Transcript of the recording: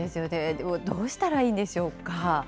でもどうしたらいいんでしょうか。